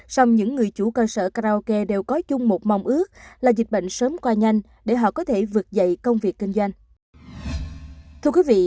song những người chủ cơ sở karaoke đều có chung một mong ước là dịch bệnh sớm qua nhanh để họ có thể vực dậy công việc kinh doanh